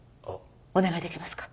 お願いできますか？